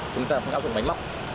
chúng ta không áp dụng máy móc